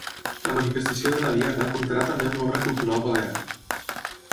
La manifestació de la Diada comptarà també amb l'Obra Cultural Balear.